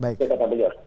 itu kata beliau